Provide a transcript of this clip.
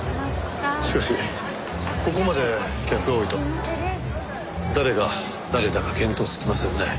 しかしここまで客が多いと誰が誰だか見当つきませんね。